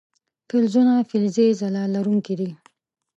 فلزونه فلزي ځلا لرونکي دي.